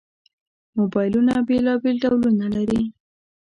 موبایلونه بېلابېل ډولونه لري.